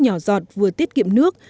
nhỏ giọt vừa tiết kiệm nước